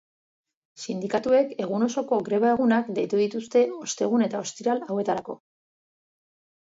Sindikatuek egun osoko greba-egunak deitu dituzte ostegun eta ostiral hauetarako.